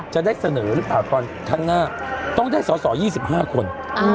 จะได้เสนอหรือเปล่าตอนข้างหน้าต้องได้สอสอ๒๕คน